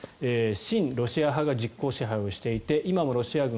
親ロシア派が実効支配していて今もロシア軍